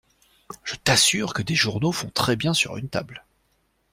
Je t’assure que des journaux font très bien sur une table.